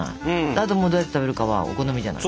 あともうどうやって食べるかはお好みじゃない。